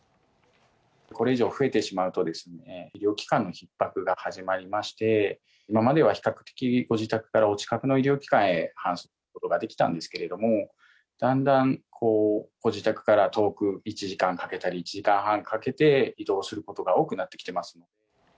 これ以上増えてしまうと、医療機関のひっ迫が始まりまして、今までは比較的、ご自宅からお近くの医療機関へ搬送することができたんですけれども、だんだんご自宅から遠く、１時間かけたり、１時間半かけて移動することが多くなってきてます。